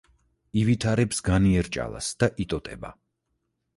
ივითარებს განიერ ჭალას და იტოტება.